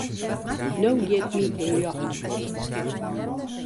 No giet my in ljocht op.